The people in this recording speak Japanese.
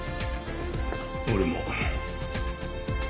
俺も。